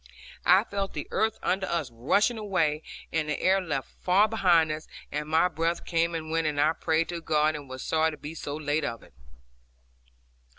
I felt the earth under us rushing away, and the air left far behind us, and my breath came and went, and I prayed to God, and was sorry to be so late of it.